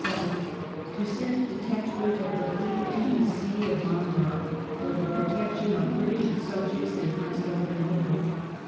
7th) to send a detachment of the Fleet into the Sea of Marmora for the protection of British subjects in Constantinople.